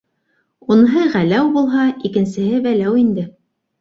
Уныһы Ғәләү булһа, икенсеһе Вәләү инде.